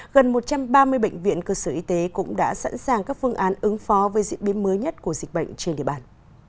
gần một trăm ba mươi bệnh viện cơ sở y tế cũng đã sẵn sàng các phương án ứng phó với diễn biến mới nhất của dịch bệnh trên địa bàn